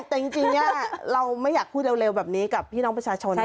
แต่จริงเราไม่อยากพูดเร็วแบบนี้กับพี่น้องประชาชน